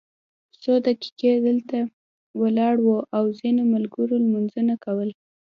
څو دقیقې دلته ولاړ وو او ځینو ملګرو لمونځونه کول.